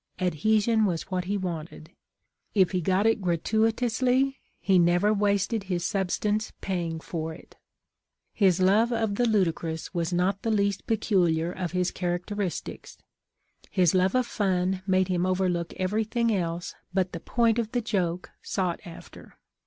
Adhesion was what he wanted ; if he got it gratuitously he never wasted his substance paying for it. " His love of the ludicrous was not the least peculiar of his characteristics. His love of fun made him overlook everything else but the point of the joke sought after.